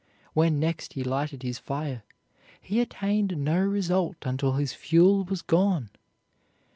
When next he lighted his fire, he attained no result until his fuel was gone.